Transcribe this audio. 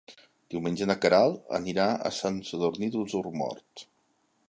Diumenge na Queralt anirà a Sant Sadurní d'Osormort.